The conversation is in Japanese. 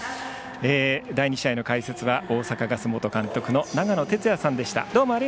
第２試合の解説は大阪ガス元監督の長野哲也さんでした。